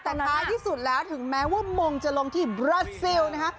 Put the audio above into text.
แต่ท้ายที่สุดแล้วถึงแม้ว่ามงจะลงที่บรัสซิลนะฮะ